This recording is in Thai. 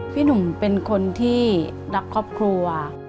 พี่หนุ่มเป็นคนที่รักครอบครัว